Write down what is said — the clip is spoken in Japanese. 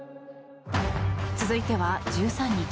続いては、１３日。